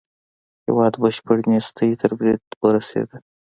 هېواد بشپړې نېستۍ تر بريده ورسېد.